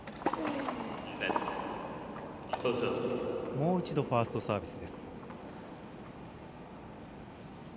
もう一度、ファーストサービス。